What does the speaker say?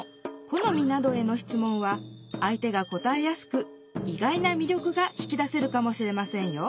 このみなどへのしつもんは相手が答えやすく意外なみりょくが引き出せるかもしれませんよ。